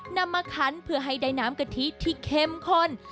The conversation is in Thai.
นำมาคันเพื่อให้ได้น้ำกะทิที่เข้มข้น